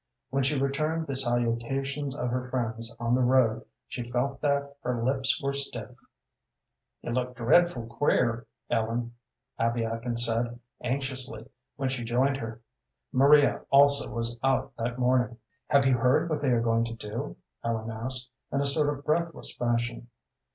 When she returned the salutations of her friends on the road she felt that her lips were stiff. "You look dreadful queer, Ellen," Abby Atkins said, anxiously, when she joined her. Maria also was out that morning. "Have you heard what they are going to do?" Ellen asked, in a sort of breathless fashion.